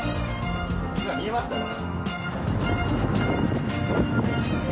今見えましたね。